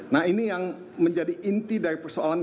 nah ini yang menjadi inti dari persoalan